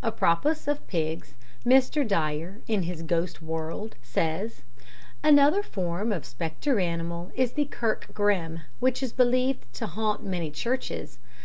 Apropos of pigs, Mr. Dyer, in his Ghost World, says, "Another form of spectre animal is the kirk grim, which is believed to haunt many churches.